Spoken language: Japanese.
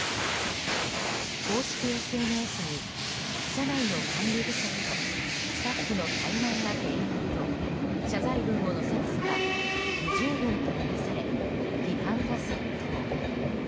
公式ＳＮＳに社内の管理不足とスタッフの怠慢が原因と謝罪文を載せますが不十分とみなされ批判が殺到。